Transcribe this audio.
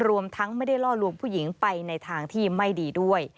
รวมทั้งไม่ได้ล่อลวงผู้หญิงไปในทางที่ไม่ดีด้วย